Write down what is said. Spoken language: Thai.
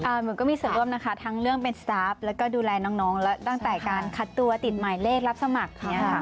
เหมือนก็มีส่วนร่วมนะคะทั้งเรื่องเป็นสตาร์ฟแล้วก็ดูแลน้องแล้วตั้งแต่การคัดตัวติดหมายเลขรับสมัครเนี่ยค่ะ